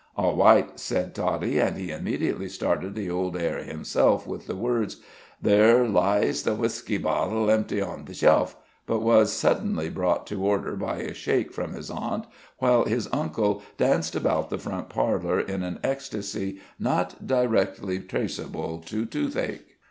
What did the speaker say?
"Aw wight," said Toddie; and he immediately started the old air himself, with the words, "There liezh the whisky bottle, empty on the sheff," but was suddenly brought to order by a shake from his aunt, while his uncle danced about the front parlor in an ecstasy not directly traceable to toothache.